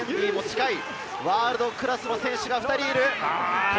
ワールドクラスの選手が２人いる。